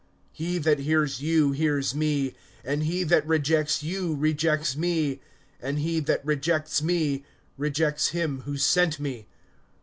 (16)He that hears you, hears me; and he that rejects you, rejects me; and he that rejects me, rejects him who sent me.